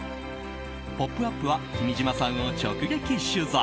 「ポップＵＰ！」は君島さんを直撃取材。